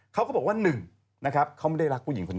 เขาก็บอกว่า๑นะครับเขาไม่ได้รักผู้หญิงคนนี้